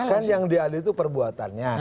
kan yang dia ada itu perbuatannya